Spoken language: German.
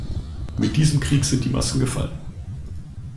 Mit diesem Krieg sind die Masken gefallen.